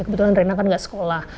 kebetulan rena kan gak sekolah